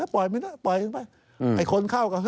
ปล่อยไม่ได้ปล่อยไม่ได้ไอคนเข้าก็เฮ้ย